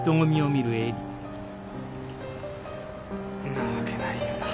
んなわけないよな。